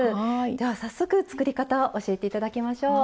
では早速作り方を教えて頂きましょう。